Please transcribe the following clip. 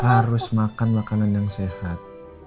harus makan makanan yang sehat